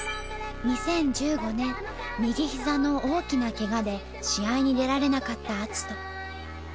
２０１５年右膝の大きなケガで試合に出られなかった篤人。